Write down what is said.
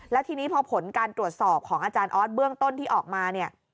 แล้วทีนี้พอผลการตรวจสอบของอาจารย์ออสเบื้องต้นที่ออกมาเนี่ย